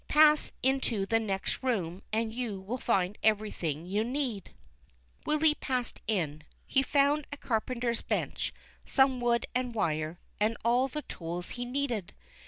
Pass into the next room and you will find everything you need.^' Willy passed in. He found a carpenter's bench, some wood and wire, and all the tools he needed.